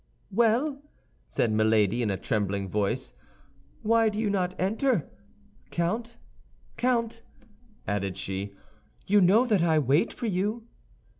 "Well," said Milady, in a trembling voice, "why do you not enter? Count, Count," added she, "you know that I wait for you."